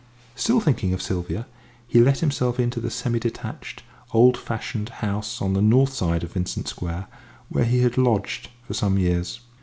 Still thinking of Sylvia, he let himself into the semi detached, old fashioned house on the north side of Vincent Square, where he had lodged for some years.